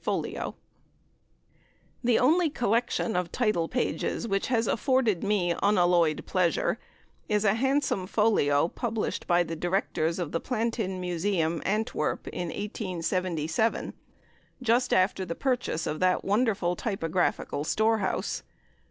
folio_." The only collection of title pages which has afforded me unalloyed pleasure is a handsome folio, published by the directors of the Plantin Museum, Antwerp, in 1877, just after the purchase of that wonderful typographical storehouse.